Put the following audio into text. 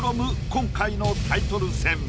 今回のタイトル戦。